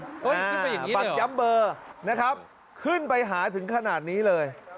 อุ๊ยขึ้นไปอย่างนี้เลยเหรอบัตรย้ำเบอร์นะครับขึ้นไปหาถึงขนาดนี้เลย